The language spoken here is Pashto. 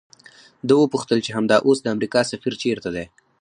ده وپوښتل چې همدا اوس د امریکا سفیر چیرته دی؟